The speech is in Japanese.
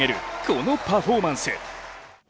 このパフォーマンス。